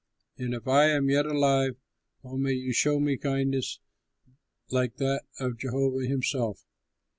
And if I am yet alive, O may you show me kindness like that of Jehovah himself!